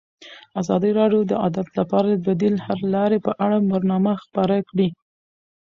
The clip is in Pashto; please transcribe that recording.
ازادي راډیو د عدالت لپاره د بدیل حل لارې په اړه برنامه خپاره کړې.